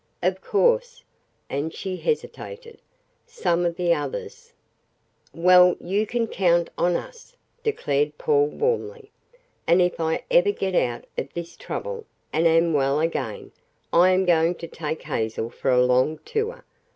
Of course" and she hesitated "some of the others " "Well, you can count on us," declared Paul warmly. "And if ever I get out of this trouble, and am well again, I am going to take Hazel for a long tour.